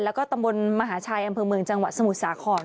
แล้วก็ตำบลมหาชัยอำเภอเมืองจังหวัดสมุทรสาคร